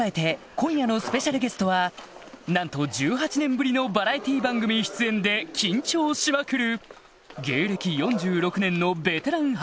今夜のスペシャルゲストはなんと１８年ぶりのバラエティー番組出演で緊張しまくる